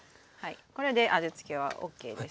これで味つけはＯＫです。